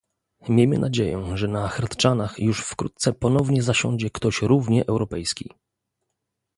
Miejmy nadzieję, że na Hradczanach już wkrótce ponownie zasiądzie ktoś równie europejski